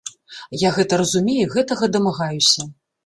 Я гэта разумею, гэтага дамагаюся.